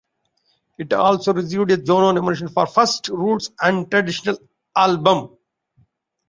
It also received a Juno nomination for Best Roots and Traditional Album.